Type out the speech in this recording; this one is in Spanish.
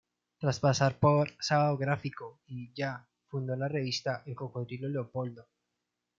Tras pasar por "Sábado Gráfico" y "Ya", fundó la revista "El Cocodrilo Leopoldo".